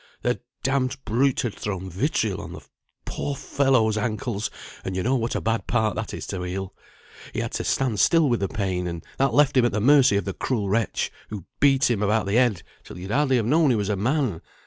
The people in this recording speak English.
"The d d brute had thrown vitriol on the poor fellow's ankles, and you know what a bad part that is to heal. He had to stand still with the pain, and that left him at the mercy of the cruel wretch, who beat him about the head till you'd hardly have known he was a man.